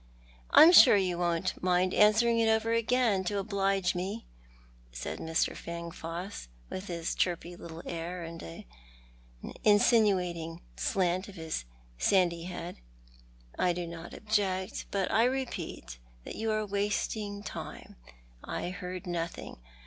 "I'm sure you won't mind answering it over again, to oblige me," said ]\Ir. Fangfoss, with his chirpy little air, and an insinuating slant of his sandy head. "I do not object, but I repeat that you are wasting time. I heard nothing.